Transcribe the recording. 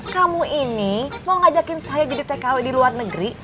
kamu ini mau ngajakin saya jadi tkw di luar negeri